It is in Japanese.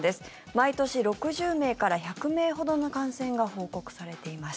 毎年６０名から１００名ほどの感染が報告されています。